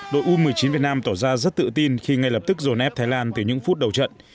đội u một mươi chín việt nam tỏ ra rất tự tin khi ngay lập tức dồn ép thái lan từ những phút đầu trận